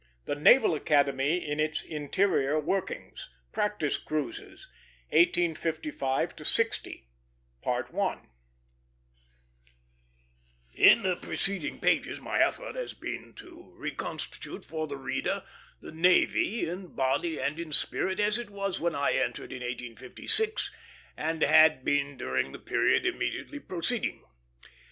IV THE NAVAL ACADEMY IN ITS INTERIOR WORKINGS PRACTICE CRUISES 1855 60 In the preceding pages my effort has been to reconstitute for the reader the navy, in body and in spirit, as it was when I entered in 1856 and had been during the period immediately preceding.